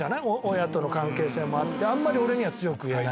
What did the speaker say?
親との関係性もあって、あんまり俺には強く言えない。